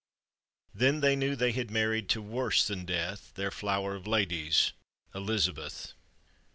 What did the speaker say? Then they knew they had married to worse than death Their flower of ladies, Elizabeth.